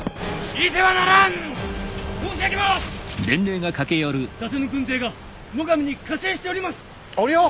伊達の軍勢が最上に加勢しております！